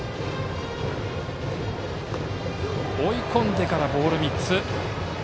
追い込んでからボール３つ。